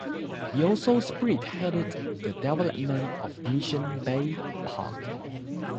He also spearheaded the development of Mission Bay Park.